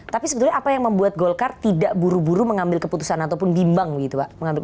tapi sebetulnya apa yang membuat golkar tidak buru buru mengambil keputusan ataupun bimbang begitu pak